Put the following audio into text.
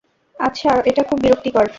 আচ্ছা, এটা খুব বিরক্তিকর!